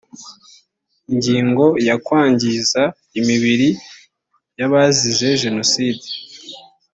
ingingo ya kwangiza imibiri y abazize jenoside